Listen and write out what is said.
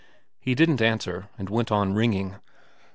' He didn't answer, and went on ringing.